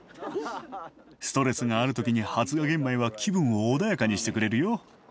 ストレスがある時に発芽玄米は気分を穏やかにしてくれるよ。